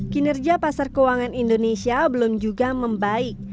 kinerja pasar keuangan indonesia belum juga membaik